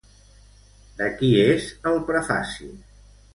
De qui és el prefaci?